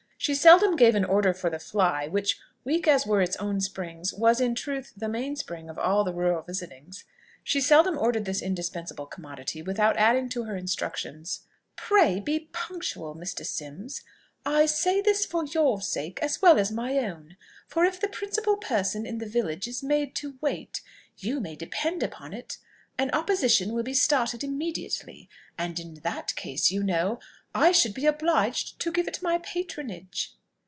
She seldom gave an order for "the fly," which, weak as were its own springs, was, in truth, the main spring of all the rural visitings; she seldom ordered this indispensable commodity without adding to her instructions, "Pray be punctual, Mr. Sims, I say this for your sake as well as my own; for if the principal person in the village is made to wait, you may depend upon it an opposition will be started immediately, and in that case, you know, I should be obliged to give it my patronage."